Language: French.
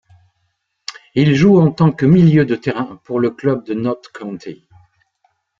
Il joue en tant que milieu de terrain pour le club de Notts County.